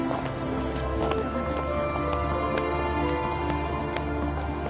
急がないと。